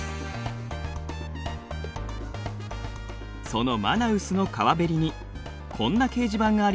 そのマナウスの川べりにこんな掲示板があります。